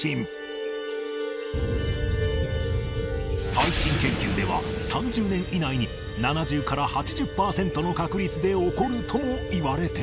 最新研究では３０年以内に７０から８０パーセントの確率で起こるともいわれている